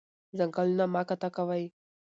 ځنګلونه مه قطع کوئ